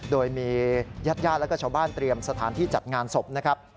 โดยมีญาติญาติและชาวบ้านเตรียมสถานที่จัดงานศพนะครับ